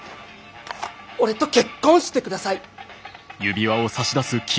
俺と結婚してください。